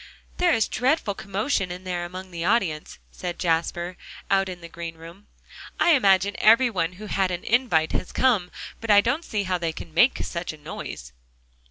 "There is a dreadful commotion in there among the audience," said Jasper, out in the green room; "I imagine every one who had an 'invite,' has come. But I don't see how they can make such a noise."